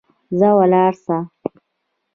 ځه ولاړ سه.